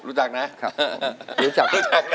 รู้จับรู้จับ